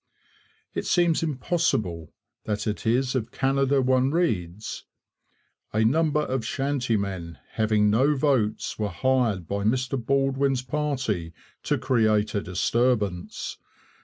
It seems impossible that it is of Canada one reads: 'A number of shanty men having no votes were hired by Mr Baldwin's party to create a disturbance.